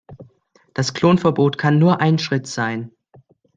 Das Klonverbot kann nur ein Schritt sein.